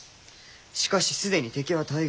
しかし既に敵は大軍。